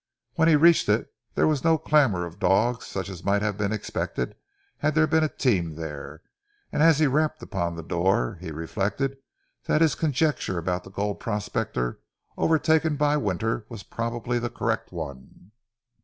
When he reached it there was no clamour of dogs such as might have been expected had there been a team there, and as he rapped upon the door, he reflected that his conjecture about the gold prospector overtaken by the winter was probably the correct one.